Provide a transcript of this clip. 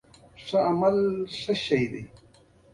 ما هم ور ته په خندنۍ ژبه وویل.